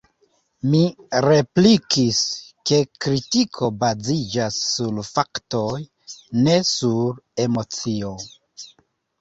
Mi replikis, ke kritiko baziĝas sur faktoj, ne sur emocio.